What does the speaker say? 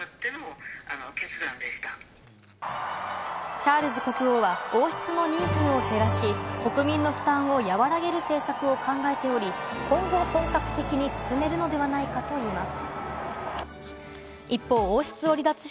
チャールズ国王は王室の人数を減らし、国民の負担を和らげる政策を考えており、今後、本格的に進めるのではないかといいます。